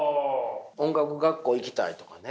音楽学校行きたいとかね。